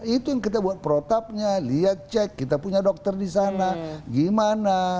itu yang kita buat protapnya lihat cek kita punya dokter di sana gimana